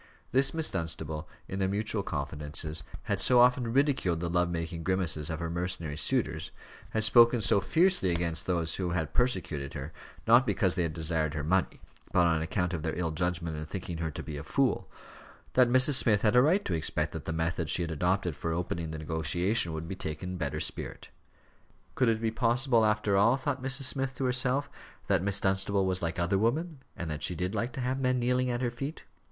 This Miss Dunstable, in their mutual confidences, had so often ridiculed the love making grimaces of her mercenary suitors had spoken so fiercely against those who had persecuted her, not because they had desired her money, but on account of their ill judgment in thinking her to be a fool that Mrs. Smith had a right to expect that the method she had adopted for opening the negotiation would be taken in a better spirit. Could it be possible, after all, thought Mrs. Smith to herself, that Miss Dunstable was like other women, and that she did like to have men kneeling at her feet?